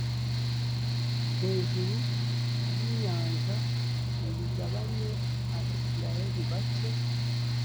Hejuru y inyanja uyigabanye abisirayeli bace